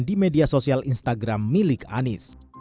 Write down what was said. di media sosial instagram milik anies